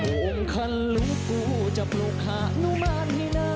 โอ้มขนุกกูจะปลุกฮานุมานให้นาน